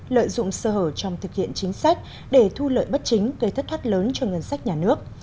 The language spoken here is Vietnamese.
lợi dụng sơ hở trong thực hiện chính sách để thu lợi bất chính gây thất thoát lớn cho ngân sách nhà nước